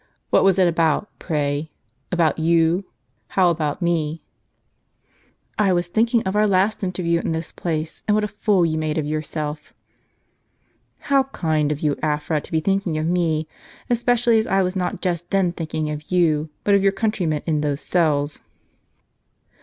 What was it about, pray ?"" About you." " How about me ?"" I was thinking of our last interview in this place, and what a fool you made of yourself." * The fountain before described. wrra " How kind of you, Afra, to be thinking of me, especially as I was not just then thinking of you, but of your country men in those cells."